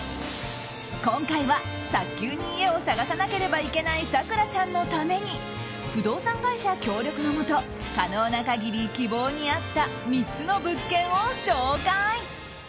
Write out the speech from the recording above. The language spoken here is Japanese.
今回は早急に家を探さなければいけない咲楽ちゃんのために不動産会社協力のもと可能な限り希望に合った３つの物件を紹介。